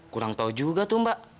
kurang tahu juga tuh mbak